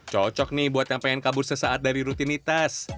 cocok nih buat yang pengen kabur sesaat dari rutinitas